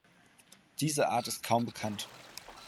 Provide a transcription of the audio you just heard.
Diese Art ist kaum bekannt.